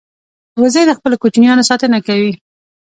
وزې د خپلو کوچنیانو ساتنه کوي